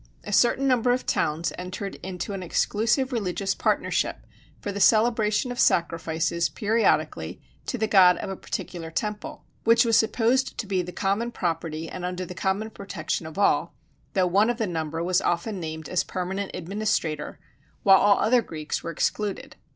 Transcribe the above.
A certain number of towns entered into an exclusive religious partnership for the celebration of sacrifices periodically to the god of a particular temple, which was supposed to be the common property and under the common protection of all, though one of the number was often named as permanent administrator; while all other Greeks were excluded.